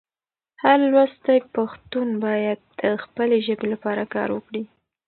هر لوستی پښتون باید د خپلې ژبې لپاره کار وکړي.